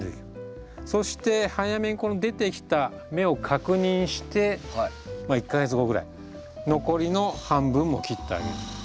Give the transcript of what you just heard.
そして早めに出てきた芽を確認してまあ１か月後ぐらい残りの半分も切ってあげる。